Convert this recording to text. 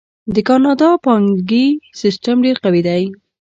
د کاناډا بانکي سیستم ډیر قوي دی.